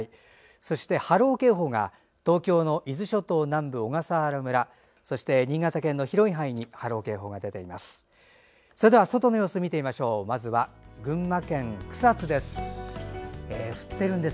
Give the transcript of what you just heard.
そして波浪警報が東京の伊豆諸島南部、小笠原村そして新潟県の広い範囲に波浪警報が出ています。